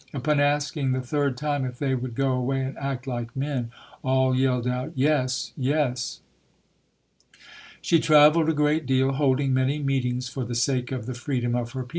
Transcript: Upon asking the third time if they would go away and act like men, all yelled out, "Yes, yes!" She traveled a great deal, holding many meet ings for the sake of the freedom of her people.